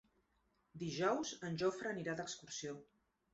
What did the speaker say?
Dijous en Jofre anirà d'excursió.